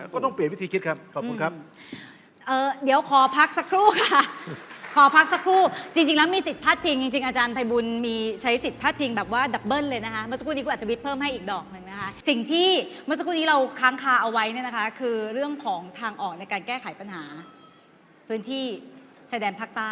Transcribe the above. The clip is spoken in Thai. ก็ต้องเปลี่ยนวิธีคิด